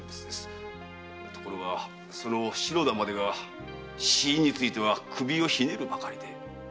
ところが篠田までが死因について首をひねるばかりで。